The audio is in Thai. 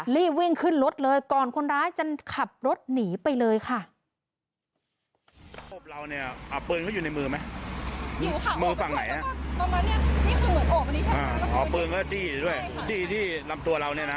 รีบวิ่งขึ้นรถเลยก่อนคนร้ายจะขับรถหนีไปเลยค่ะ